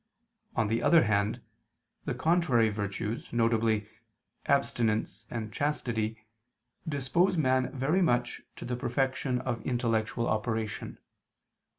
On the other hand, the contrary virtues, viz. abstinence and chastity, dispose man very much to the perfection of intellectual operation.